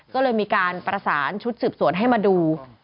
ก็เลยมีการประสานชุดสืบสวนให้มาดู